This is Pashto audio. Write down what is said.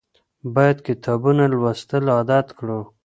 باید کتابونه لوستل عادت کړو.